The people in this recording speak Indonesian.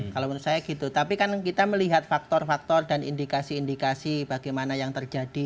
kalau menurut saya gitu tapi kan kita melihat faktor faktor dan indikasi indikasi bagaimana yang terjadi